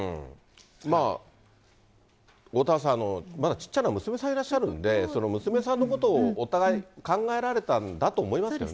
まあ、おおたわさん、まだ小っちゃな娘さんいらっしゃいますので、その娘さんのことをお互い、考えられたんだと思いますね。